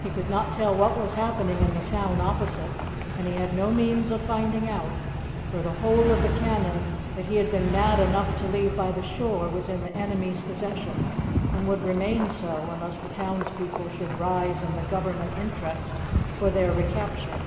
He could not tell what was happening in the town opposite, and he had no means of finding out, for the whole of the cannon that he had been mad enough to leave by the shore was in the enemy's possession, and would remain so unless the townspeople should rise in the Government interest for their recapture.